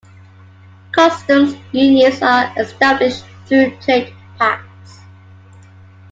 Customs unions are established through trade pacts.